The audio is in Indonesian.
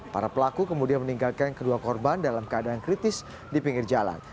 para pelaku kemudian meninggalkan kedua korban dalam keadaan kritis di pinggir jalan